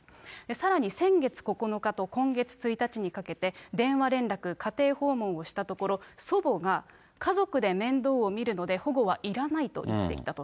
さらに先月９日と今月１日にかけて、電話連絡、家庭訪問をしたところ、祖母が、家族で面倒を見るので保護はいらないと言っていたと。